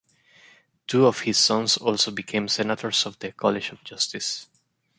Two of his sons also became Senators of the College of Justice.